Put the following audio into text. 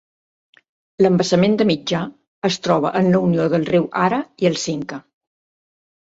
L'embassament de Mitjà es troba en la unió del riu Ara i el Cinca.